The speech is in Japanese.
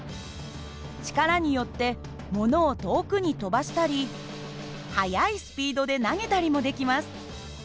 力によってものを遠くに飛ばしたり速いスピードで投げたりもできます。